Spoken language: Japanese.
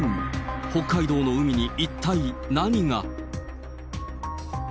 北海道の海に一体何が。